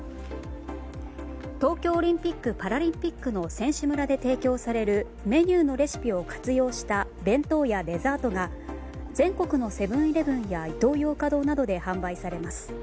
東京オリンピック・パラリンピックの選手村で提供されるメニューのレシピを活用した弁当やデザートが全国のセブン‐イレブンやイトーヨーカドーなどで販売されます。